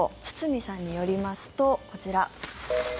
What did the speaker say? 堤さんによりますとこちら。